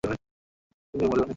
তুমি মরে যাওনি।